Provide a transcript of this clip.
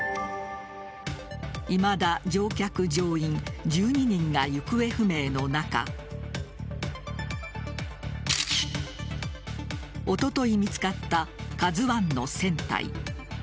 いまだ乗客・乗員１２人が行方不明の中おととい見つかった「ＫＡＺＵ１」の船体。